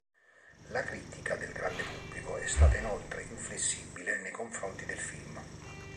La critica del grande pubblico è stata inoltre inflessibile nei confronti del film.